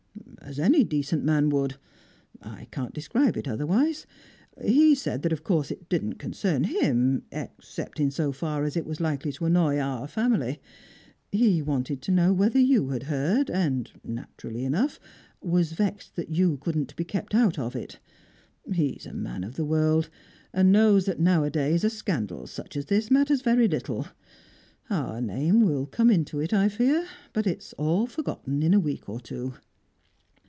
"As any decent man would I can't describe it otherwise. He said that of course it didn't concern him, except in so far as it was likely to annoy our family. He wanted to know whether you had heard, and naturally enough was vexed that you couldn't be kept out of it. He's a man of the world, and knows that, nowadays, a scandal such as this matters very little. Our name will come into it, I fear, but it's all forgotten in a week or two."